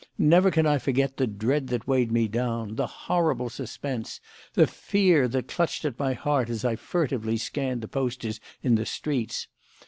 Never can I forget the dread that weighed me down, the horrible suspense, the fear that clutched at my heart as I furtively scanned the posters in the streets.